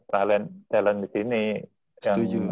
talent di sini yang